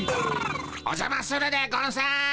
おじゃまするでゴンス。